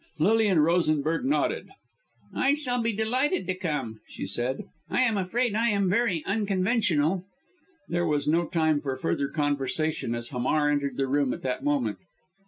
Lilian Rosenberg nodded. "I shall be delighted to come," she said. "I am afraid I am very unconventional." There was no time for further conversation, as Hamar entered the room at that moment.